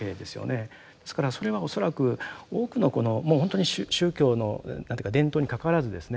ですからそれは恐らく多くのこのもう本当に宗教の何ていうか伝統にかかわらずですね